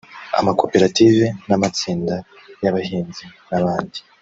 amakoperative n’amatsinda y’abahinzi n’abandi